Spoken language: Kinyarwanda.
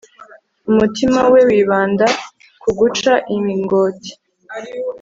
umutima we wibanda ku guca imingoti